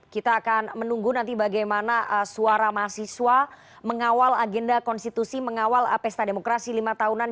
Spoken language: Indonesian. kita akan menunggu nanti bagaimana suara mahasiswa mengawal agenda konstitusi mengawal pesta demokrasi lima tahunan